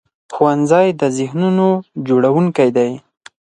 ښوونځی د ذهنونو جوړوونکی دی